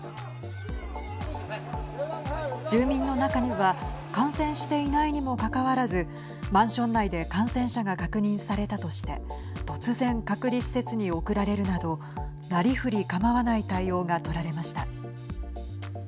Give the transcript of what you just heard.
住民の中には感染していないにもかかわらずマンション内で感染者が確認されたとして突然、隔離施設に送られるなどなりふり構わない対応が取られました。